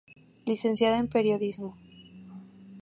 Licenciada en periodismo.